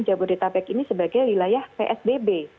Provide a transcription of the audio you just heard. jabodetabek ini sebagai wilayah psbb